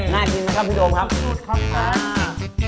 น่ากินนะครับพี่โดมครับสุดครับอ่า